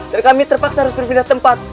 dan kami terpaksa harus berpindah tempat